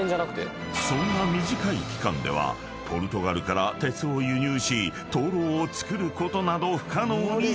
［そんな短い期間ではポルトガルから鉄を輸入し灯籠を作ることなど］